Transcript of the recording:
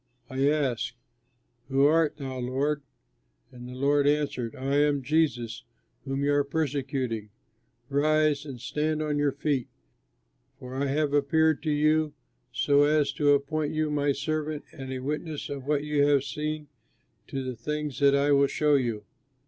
I asked, 'Who art thou, Lord?' and the Lord answered, 'I am Jesus whom you are persecuting. Rise and stand on your feet, for I have appeared to you so as to appoint you my servant and a witness to what you have seen and to the things that I will show you.